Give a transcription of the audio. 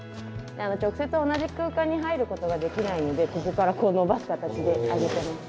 直接同じ空間に入ることができないのでここからこう伸ばす形であげてます。